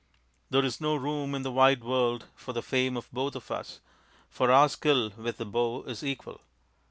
There is no room in the wide world for the fame of both of us, for our skill with the bow is equal.